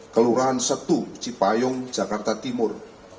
kelurahan setu cipayung jakarta timur